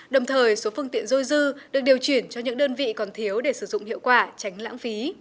đồng thời số phương tiện dôi dư được điều chuyển cho những đơn vị còn thiếu để sử dụng hiệu quả tránh lãng phí